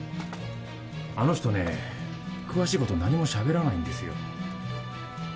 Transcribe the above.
あの人ね詳しいこと何もしゃべらないんですよ。